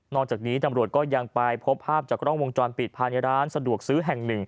จากนี้ตำรวจก็ยังไปพบภาพจากกล้องวงจรปิดภายในร้านสะดวกซื้อแห่งหนึ่ง